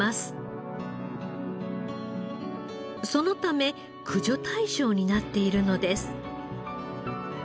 そのため駆除対象になっているのです。